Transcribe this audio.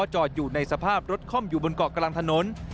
จอดอยู่ในสภาพรถค่อมอยู่บนเกาะกลางถนน